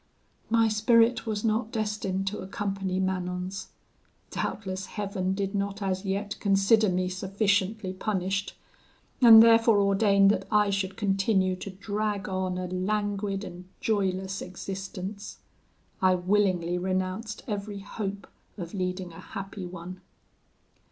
"My spirit was not destined to accompany Manon's. Doubtless, Heaven did not as yet consider me sufficiently punished, and therefore ordained that I should continue to drag on a languid and joyless existence. I willingly renounced every hope of leading a happy one.